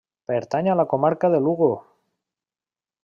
Pertany a la comarca de Lugo.